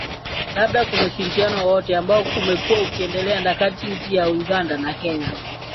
labda kuna ushirikiano wowote ambao umekuwa ukiendelea kati ya nchi ya uganda na kenya